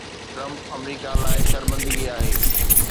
Trump آمريڪا لاءِ شرمندگي آهي